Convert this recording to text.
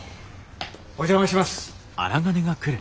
お邪魔します。